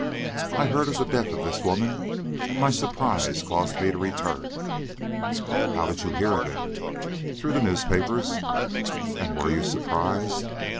"I heard of the death of this woman, and my surprise caused me to return." "How did you hear of it?" "Through the newspapers." "And you were surprised?"